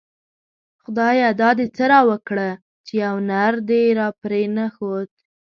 خدايه دا دی څه راوکړه ;چی يو نر دی راپری نه ښود